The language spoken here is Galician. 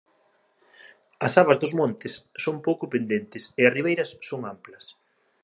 As abas dos montes son pouco pendentes e as ribeiras son amplas